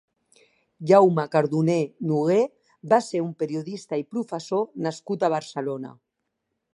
Jaume Cardoner Nogué va ser un periodista i professor nascut a Barcelona.